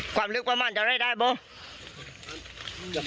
ความลึกกว่าหม่านจะได้บ้างจะสำเร็จแหละ